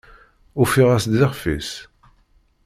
Ufiɣ-as-d iɣef-is!